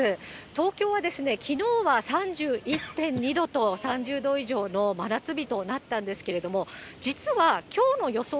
東京はですね、きのうは３１．２度と、３０度以上の真夏日となったんですけれども、実はきょうの予想